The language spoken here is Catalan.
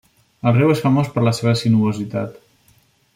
El riu és famós per la seva sinuositat.